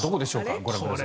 ご覧ください。